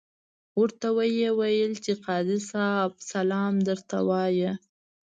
ورته ویې ویل چې قاضي صاحب سلام درته وایه.